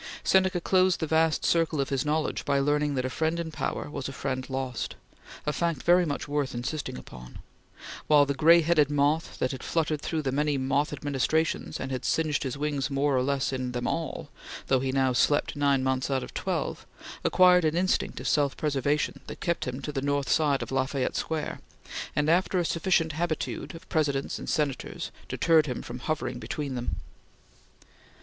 Seneca closed the vast circle of his knowledge by learning that a friend in power was a friend lost a fact very much worth insisting upon while the gray headed moth that had fluttered through many moth administrations and had singed his wings more or less in them all, though he now slept nine months out of the twelve, acquired an instinct of self preservation that kept him to the north side of La Fayette Square, and, after a sufficient habitude of Presidents and Senators, deterred him from hovering between them.